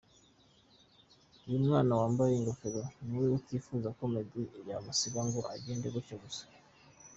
Uyu mwana wambaye ingofero ni we utifuza ko Meddy yamusiga ngo agende gutyo gusa.